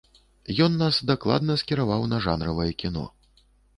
Ён нас дакладна скіраваў на жанравае кіно.